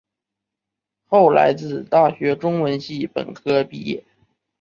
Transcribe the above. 后来自大学中文系本科毕业。